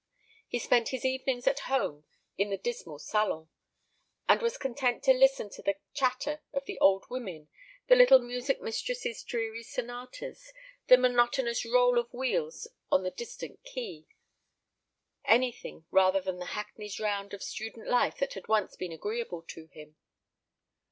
He spent his evenings at home in the dismal salon, and was content to listen to the chatter of the old women, the little music mistress's dreary sonatas, the monotonous roll of wheels on the distant quay anything rather than the hackneyed round of student life that had once been agreeable to him.